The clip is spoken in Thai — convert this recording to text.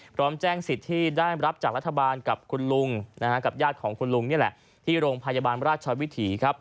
พร้อมแจ้งสิทธิ์ที่ได้รับจากรัฐบาลกับคุณลุงกับญาติของคุณลุงนี่แหละที่โรงพยาบาลราชวิถีครับ